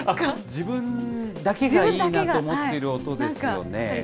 自分だけがいいなと思っている音ですよね。